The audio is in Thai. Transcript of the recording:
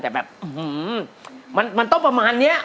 จากหอยเป็นห่วย